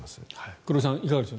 黒井さん、いかがですか？